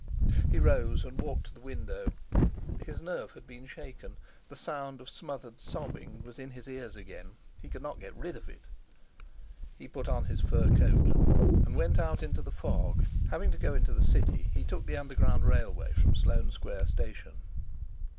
He, rose and walked to the window. His nerve had been shaken. The sound of smothered sobbing was in his ears again. He could not get rid of it. He put on his fur coat, and went out into the fog; having to go into the City, he took the underground railway from Sloane Square station.